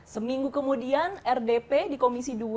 seminggu kemudian rdp di komisi dua